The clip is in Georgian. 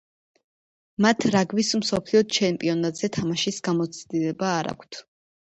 მათ რაგბის მსოფლიო ჩემპიონატზე თამაშის გამოცდილება არ აქვთ.